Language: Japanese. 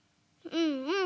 うんうん！